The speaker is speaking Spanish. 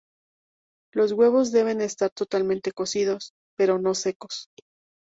Los huevos deben estar totalmente cocidos, pero no secos.